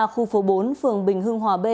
khu phố bốn phường bình hương hòa b